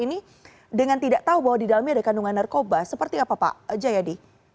ini dengan tidak tahu bahwa di dalamnya ada kandungan narkoba seperti apa pak jayadi